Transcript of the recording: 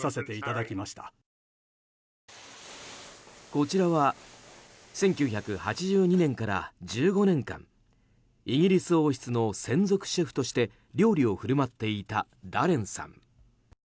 こちらは１９８２年から１５年間イギリス王室の専属シェフとして料理を振る舞っていたダレンさん。